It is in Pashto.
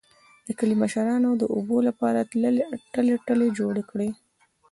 د کلي مشرانو د اوبو لپاره ټلۍ ټلۍ جوړې کړې